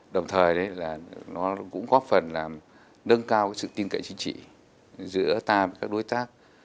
đồng thời nó cũng góp phần làm nâng cao sự tin cậy chính trị giữa ta và các đối tác